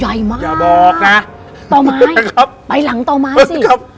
ใหญ่มากอย่าบอกนะต่อไม้นะครับไปหลังต่อไม้สิครับ